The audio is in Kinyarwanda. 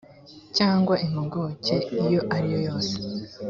cyangwa impuguke iyo ari yo yose